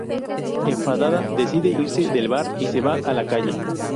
Enfadada, decide irse del bar y se va a la calle.